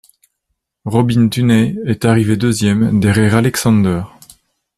Robin Tunney est arrivée deuxième, derrière Alexander.